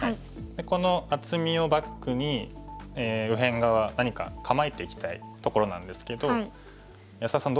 この厚みをバックに右辺側何か構えていきたいところなんですけど安田さん